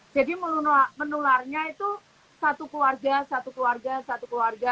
jadi menularnya itu satu keluarga satu keluarga satu keluarga